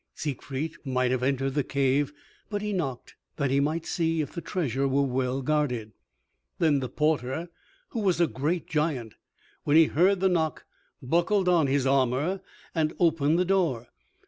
Siegfried might have entered the cave, but he knocked that he might see if the treasure were well guarded. Then the porter, who was a great giant, when he heard the knock buckled on his armor and opened the door.